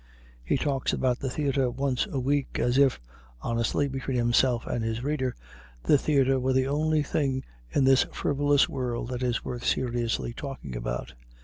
He talks about the theater once a week as if honestly, between himself and his reader the theater were the only thing in this frivolous world that is worth seriously talking about.